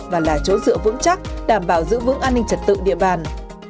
và là chỗ dựa vững chắc đảm bảo giữ vững an ninh trật tự địa bàn